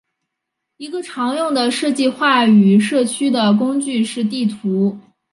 一个常用的设计话语社区的工具是地图。